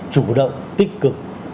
chủ động tích cực